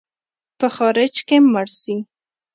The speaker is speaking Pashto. په خارج کې مړ سې.